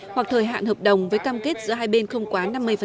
hoặc thời hạn hợp đồng với cam kết giữa hai bên không quá năm mươi